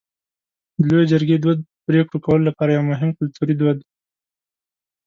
د لویې جرګې دود د پرېکړو کولو لپاره یو مهم کلتوري دود دی.